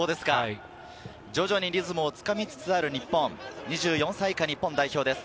徐々にリズムをつかみつつある２４歳以下、日本代表です。